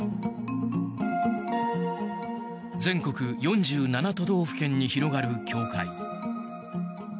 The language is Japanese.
全国４７都道府県に広がる教会。